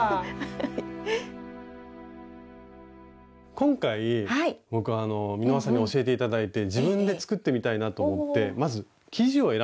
今回僕美濃羽さんに教えて頂いて自分で作ってみたいなと思ってまず生地を選んできました。